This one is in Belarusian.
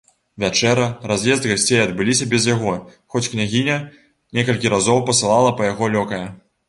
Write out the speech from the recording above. Вячэра, раз'езд гасцей адбыліся без яго, хоць княгіня некалькі разоў пасылала па яго лёкая.